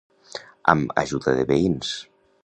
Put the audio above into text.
Amb ajuda de veïns.